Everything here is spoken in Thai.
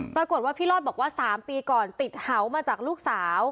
ปรากฏว่าพี่รอดบอกว่า๓ปีก่อนติดเห่ามาจากลูกสาว